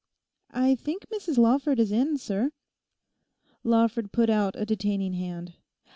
'I think Mrs Lawford is in, sir.' Lawford put out a detaining hand.